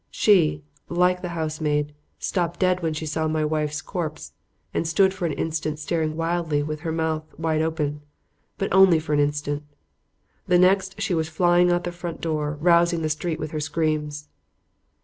She, like the housemaid, stopped dead when she saw my wife's corpse, and stood for an instant staring wildly with her mouth wide open. But only for an instant. The next she was flying out of the front door, rousing the street with her screams.